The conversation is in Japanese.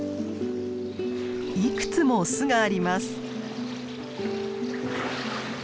いくつも巣があります。